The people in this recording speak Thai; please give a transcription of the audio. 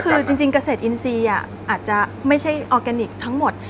คือจริงเกษตรอินทรีย์อาจจะไม่ใช่ออร์แกนิคทั้งหมด